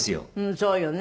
そうよね。